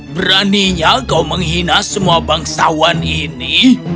beraninya kau menghina semua bangsawan ini